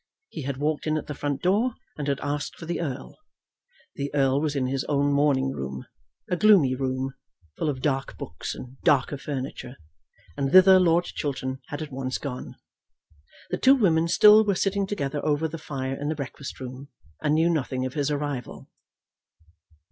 He had walked in at the front door, and had asked for the Earl. The Earl was in his own morning room, a gloomy room, full of dark books and darker furniture, and thither Lord Chiltern had at once gone. The two women still were sitting together over the fire in the breakfast room, and knew nothing of his arrival.